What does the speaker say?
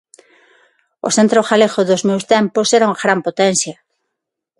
O Centro Galego dos meus tempos era unha gran potencia.